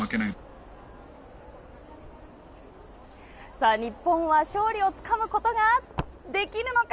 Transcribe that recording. さあ日本は、勝利をつかむことができるのか。